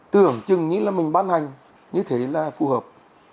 tưởng chừng như là mình ban hành như thế là phù hợp